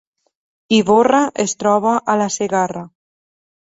Ivorra es troba a la Segarra